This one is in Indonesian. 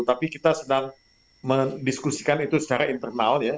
tapi kita sedang mendiskusikan itu secara internal ya